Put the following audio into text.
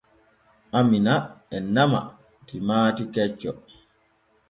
Amina e nama timaati kecco.